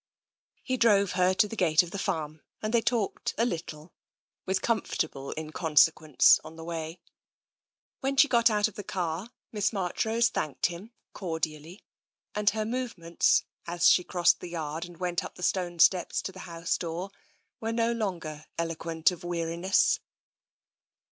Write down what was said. He drove her to the gate of the farm, and they talked a little, with comfortable inconsequence, on the way. When she got out of the car, Miss Marchrose thanked him cordially, and her movements, as she crossed the yard and went up the stone steps to the house door, were no longer eloquent of weariness.